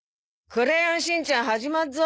『クレヨンしんちゃん』始まっぞ。